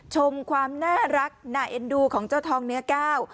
ชมความน่ารักน่าเอ็นดูของเจ้าทองเนื้อก้าว